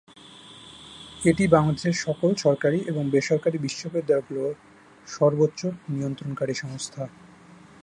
এটি বাংলাদেশের সকল সরকারি এবং বেসরকারি বিশ্ববিদ্যালয়গুলোর সর্বোচ্চ নিয়ন্ত্রণকারী সংস্থা।